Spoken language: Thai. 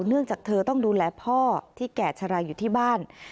เนื่องจากเธอต้องดูแลพ่อที่แก่ชะลาอยู่ที่บ้าน